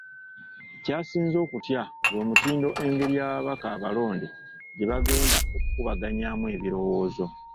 Ky’asinze okutya gwe mutindo n’engeri ababaka abalonde gye bagenda okubaganyaamu ebirowoozo.